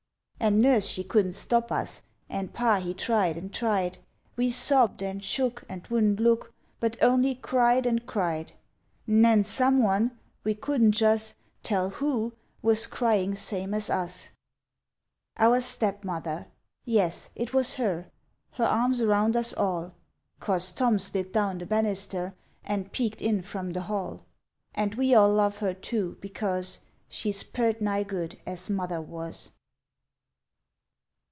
And Nurse she couldn't stop us, And Pa he tried and tried, We sobbed and shook and wouldn't look, But only cried and cried; And nen someone we couldn't jus' Tell who was cryin' same as us! Our Stepmother! Yes, it was her, Her arms around us all 'Cause Tom slid down the bannister And peeked in from the hall. And we all love her, too, because She's purt nigh good as Mother was!